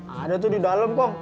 ada tuh di dalam kok